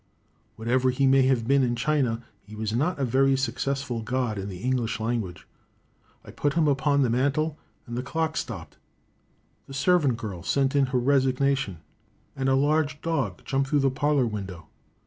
Whatever he may have been in China, he was not a very successful god in the English language. I put him upon the mantel, and the clock stopped, the servant girl sent in her resignation, and a large dog jumped through the parlor window.